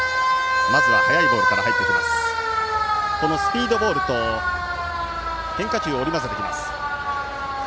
このスピードボールと変化球を織り交ぜてきます。